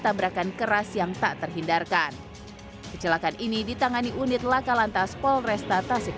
tabrakan keras yang tak terhindarkan kecelakaan ini ditangani unit laka lantas polresta tasik